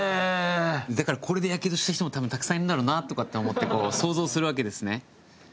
だからこれでヤケドした人も多分たくさんいるんだろうなとかって思ってこう想像するわけですね。